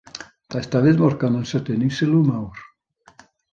Daeth Dafydd Morgan yn sydyn i sylw mawr.